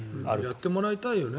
やってもらいたいよね